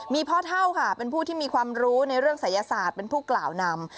มีพ่อเท่าค่ะเป็นผู้ที่มีความรู้ในเรื่องศัยศาสตร์เป็นผู้กล่าวนำ